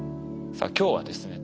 さあ今日はですね